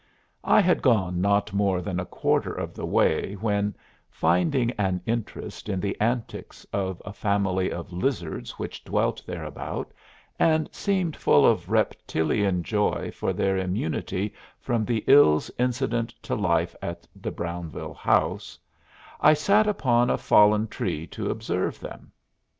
I had gone not more than a quarter of the way when, finding an interest in the antics of a family of lizards which dwelt thereabout and seemed full of reptilian joy for their immunity from the ills incident to life at the Brownville House, I sat upon a fallen tree to observe them.